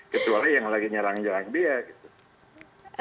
kecuali yang lagi nyerang nyerang dia gitu